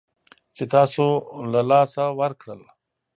چې تاسو له لاسه ورکړل